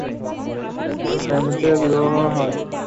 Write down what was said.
সেমতে বিবাহও হয়।